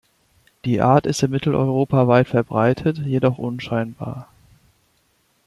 Die Art ist in Mitteleuropa weit verbreitet, jedoch unscheinbar.